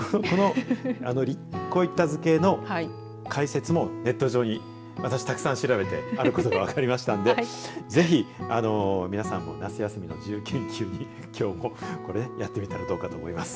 こういった図形の解説もネット上に私、たくさん調べてあることが分かりましたのでぜひ、皆さんも夏休みの自由研究にきょうもやってみたらどうかと思います。